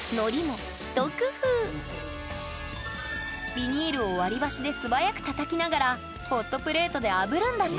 ビニールを割り箸で素早くたたきながらホットプレートであぶるんだって！